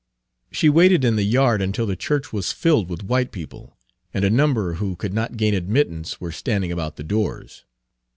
She waited in the yard until the church was filled with white people, and a number who could not gain admittance were standing about the doors.